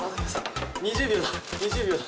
２０秒だ、２０秒だ。